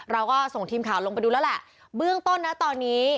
เราก็ส่งทีมข่าวลงไปดูแล้วแหละเบื้องต้นนะตอนนี้